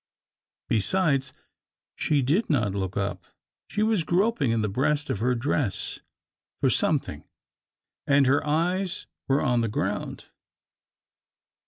Besides, she did not look up; she was groping in the breast of her dress for something, and her eyes were on the ground.